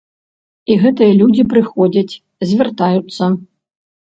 І гэтыя людзі прыходзяць, звяртаюцца.